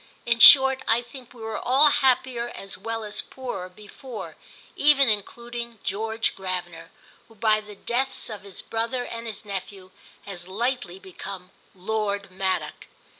In short I think we were all happier as well as poorer before; even including George Gravener, who by the deaths of his brother and his nephew has lately become Lord Maddock.